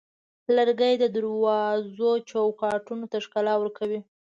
لرګی د دروازو چوکاټونو ته ښکلا ورکوي.